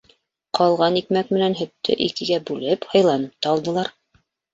Ҡалған икмәк менән һөттө икегә бүлеп, һыйланып та алдылар.